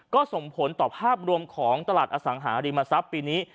ก็ส่งผลต่อภาพรวมของตลาดอสังหาริมทรัพย์ปีนี้